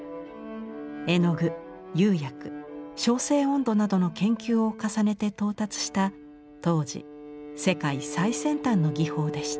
絵の具釉薬焼成温度などの研究を重ねて到達した当時世界最先端の技法でした。